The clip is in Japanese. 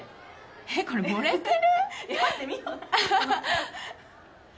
えっこれ盛れてる？